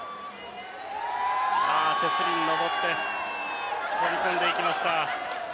手すりに上って飛び込んでいきました。